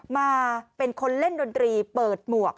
มาเป็นคนเล่นดนตรีเปิดหมวก